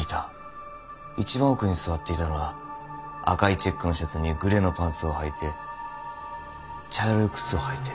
一番奥に座っていたのは赤いチェックのシャツにグレーのパンツをはいて茶色い靴を履いて。